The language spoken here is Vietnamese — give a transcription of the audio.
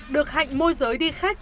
được hạnh môi giới đi khách